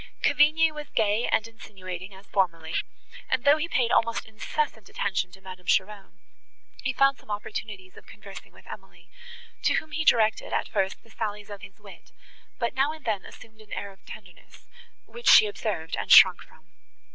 Cavigni was gay and insinuating as formerly; and, though he paid almost incessant attention to Madame Cheron, he found some opportunities of conversing with Emily, to whom he directed, at first, the sallies of his wit, but now and then assumed an air of tenderness, which she observed, and shrunk from.